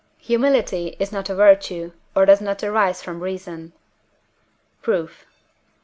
Humility is not a virtue, or does not arise from reason. Proof.